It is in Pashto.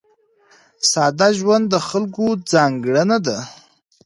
ساده ژوند د خلکو ځانګړنه ده.